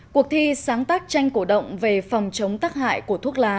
cuộc thi sáng tác tranh cổ động về phòng chống tắc hại của thuốc lá